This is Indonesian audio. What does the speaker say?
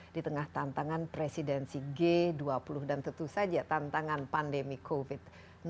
di tengah tantangan presidensi g dua puluh dan tentu saja tantangan pandemi covid sembilan belas